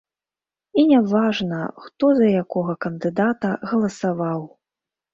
І не важна, хто за якога кандыдата галасаваў.